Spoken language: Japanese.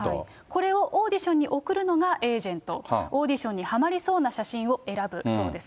これをオーディションに送るのがエージェント、オーディションにはまりそうな写真を選ぶそうです。